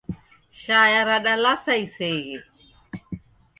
Shaya radalasa iseghe